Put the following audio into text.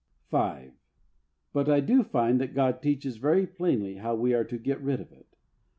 5. But I do find that God teaches very plainly how we are to get rid of it.